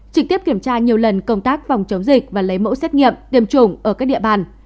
trực tiếp kiểm tra nhiều lần công tác phòng chống dịch và lấy mẫu xét nghiệm tiêm chủng ở các địa bàn